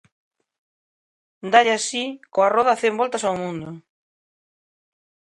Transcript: Dálle así coa roda cen voltas ao mundo.